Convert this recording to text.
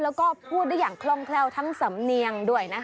แล้วก็พูดได้อย่างคล่องแคล่วทั้งสำเนียงด้วยนะคะ